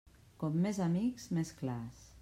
Com més amics, més clars.